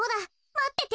まってて。